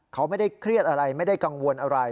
เขาไม่ได้เครียดอะไรไม่ได้กังวลอะไร